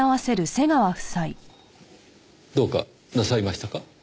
どうかなさいましたか？